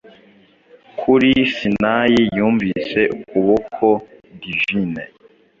Kuri Sinayi yunvise Ukuboko Divine